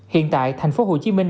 hiện tại thành phố hồ chí minh